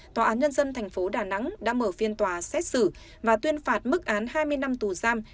tòa án nhân dân tp đà nẵng đã mở phiên tòa xét xử và tuyên phạt mức án hai mươi năm tù giam